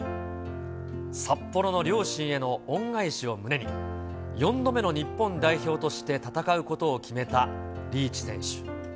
札幌の両親への恩返しを胸に、４度目の日本代表として戦うことを決めたリーチ選手。